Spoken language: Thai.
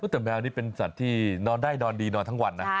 แต่แมวนี้เป็นอะไรนะ